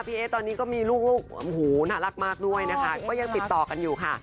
เอ๊ตอนนี้ก็มีลูกโอ้โหน่ารักมากด้วยนะคะก็ยังติดต่อกันอยู่ค่ะ